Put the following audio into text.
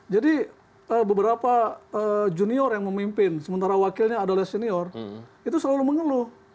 jadi beberapa junior yang memimpin sementara wakilnya adalah senior itu selalu mengeluh